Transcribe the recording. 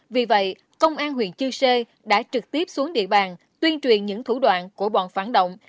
vì vậy công an huyện chư sê đã trực tiếp xuống địa bàn tuyên truyền những thủ đoạn của bọn phản động